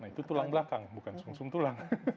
nah itu tulang belakang bukan sum sum tulang